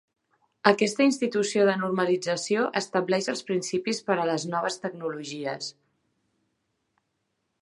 Aquesta institució de normalització estableix els principis per a les noves tecnologies.